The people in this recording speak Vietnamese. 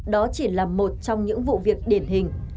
đó chỉ là một trong những vụ việc điển hình